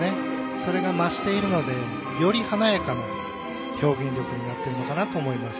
それが増しているのでより華やかな表現力になってるのかなと思います。